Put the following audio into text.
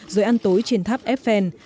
rồi ăn tối trên tháp eiffel